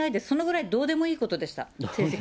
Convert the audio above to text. そのぐらい、どうでもいいことでした。